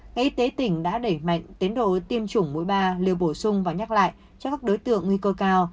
ngay y tế tỉnh đã đẩy mạnh tiến độ tiêm chủng mũi ba liều bổ sung và nhắc lại cho các đối tượng nguy cơ cao